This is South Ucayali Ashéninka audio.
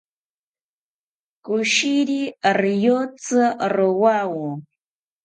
Koshiri rioyotsi rowawo